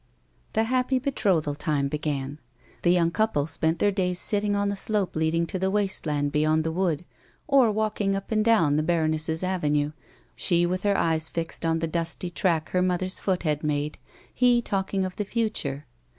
The happy betrothal time began. The young couple spent their days sitting on the slope leading to the waste land beyond the wood, or walking up and down the bar oness's avenue, she with her eyes fixed on the dusty track her mother's foot had made, he talking of the future.